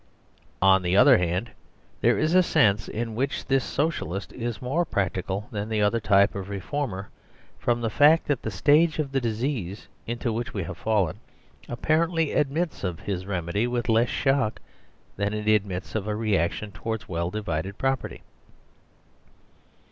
On the other hand, there is a sense in which this Socialist is more practical than that other type of reformer, from the fact that the stage of the disease into which we have fallen apparently admits of his remedy with less shock than it admits of a reaction towards well divided property.